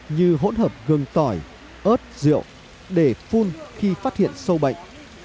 như hỗn hợp gường tỏi ớt rượu để phun khi phát hiện sâu bệnh